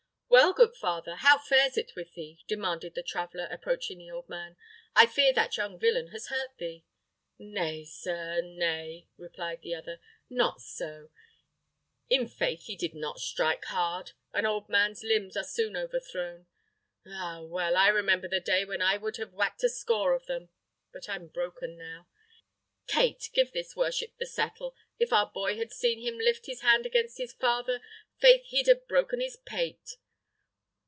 "Well, good father, how fares it with thee?" demanded the traveller, approaching the old man. "I fear that young villain has hurt thee." "Nay, sir, nay," replied the other, "not so; in faith he did not strike hard: an old man's limbs are soon overthrown. Ah! well, I remember the day when I would have whacked a score of them. But I'm broken now. Kate, give his worship the settle. If our boy had seen him lift his hand against his father, 'faith, he'd have broken his pate.